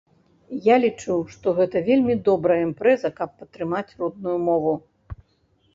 Я лічу, што гэта вельмі добрая імпрэза, каб падтрымаць родную мову.